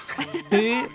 えっ？